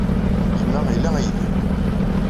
Gma ila aydi.